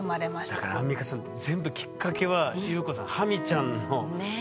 だからアンミカさん全部きっかけは裕子さんハミちゃんの。ね！